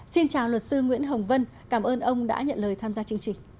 xin chào luật sư nguyễn hồng vân cảm ơn ông đã nhận lời tham gia chương trình